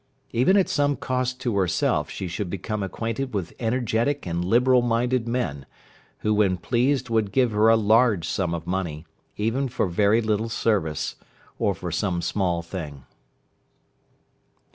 Even at some cost to herself she should become acquainted with energetic and liberal minded men, who when pleased would give her a large sum of money, even for very little service, or for some small thing."